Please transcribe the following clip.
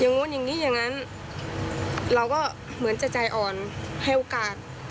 นู้นอย่างนี้อย่างนั้นเราก็เหมือนจะใจอ่อนให้โอกาส